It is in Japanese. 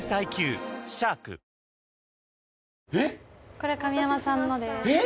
これ神山さんのですええ？